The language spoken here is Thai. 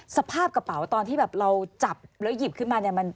สภาพกระเป๋าตอนที่แบบเราจับแล้วหยิบขึ้นมาเนี่ย